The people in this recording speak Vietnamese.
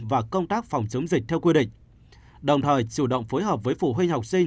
và công tác phòng chống dịch theo quy định đồng thời chủ động phối hợp với phụ huynh học sinh